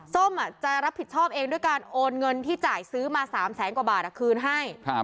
ส้มจะรับผิดชอบเองด้วยการโอนเงินที่จ่ายซื้อมา๓แสนกว่าบาทคืนให้